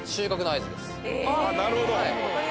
なるほど。